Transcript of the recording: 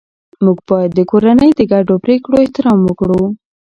موږ باید د کورنۍ د ګډو پریکړو احترام وکړو